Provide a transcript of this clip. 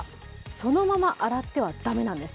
そのまま洗っては駄目なんです。